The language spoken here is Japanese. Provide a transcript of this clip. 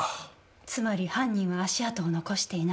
つまり犯人は足跡を残していない。